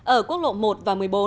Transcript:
ở quốc lộ một và một mươi bốn